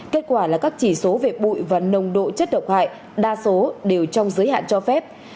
kết quả là các chỉ số về bụi và nồng độ chất độc hại đa số đều trong giới hạn cho phép